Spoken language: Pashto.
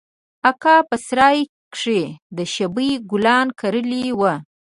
اکا په سراى کښې د شبۍ ګلان کرلي وو.